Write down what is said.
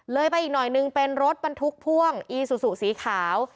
ไปอีกหน่อยนึงเป็นรถบรรทุกพ่วงอีซูซูสีขาว